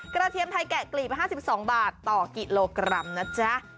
เทียมไทยแกะกลีบ๕๒บาทต่อกิโลกรัมนะจ๊ะ